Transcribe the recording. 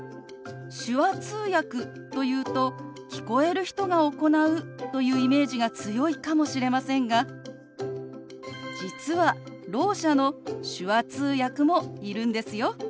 手話通訳というと聞こえる人が行うというイメージが強いかもしれませんが実はろう者の手話通訳もいるんですよ。